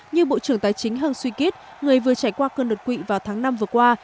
nhưng bộ trưởng tài chính aung san suu kyi người vừa trải qua cơn đột quỵ vào tháng năm vừa qua